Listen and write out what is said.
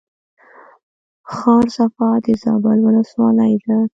ښار صفا د زابل ولسوالۍ ده